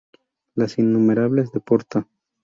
Las innumerables de Porta...